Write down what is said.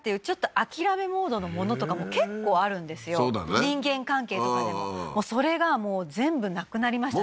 人間関係とかでもそれがもう全部なくなりましたね